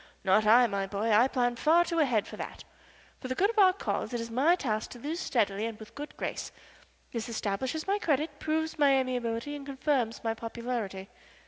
Not I, my boy. I plan too far ahead for that. For the good of our cause it is my task to lose steadily and with good grace. This establishes my credit, proves my amiability, and confirms my popularity."